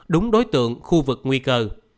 đúng đối tượng khu vực nguy cơ